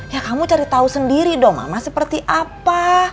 ya kamu cari tahu sendiri dong ama seperti apa